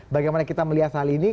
bagaimana kita melihat hal ini